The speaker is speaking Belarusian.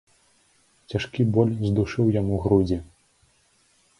Цяжкі боль здушыў яму грудзі.